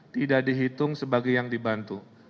tidak dihitung sebagai yang dibantu